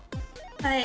はい。